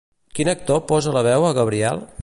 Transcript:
Quin actor posa la veu a Gabriel?